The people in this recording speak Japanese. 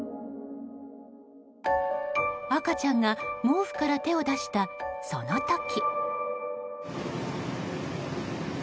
赤ちゃんが毛布から手を出したその時。